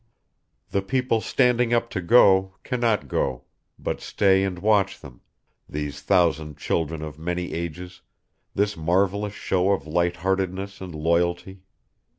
The people standing up to go cannot go, but stay and watch them, these thousand children of many ages, this marvellous show of light heartedness and loyalty.